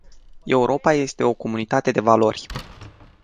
Europa este o comunitate de valori.